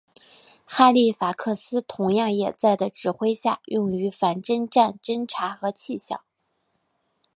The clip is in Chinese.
哈利法克斯同样也在的指挥下用于反潜战侦察和气象。